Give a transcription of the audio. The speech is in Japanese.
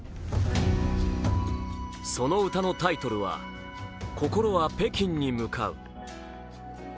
その歌のタイトルは「心は北京に向かう」。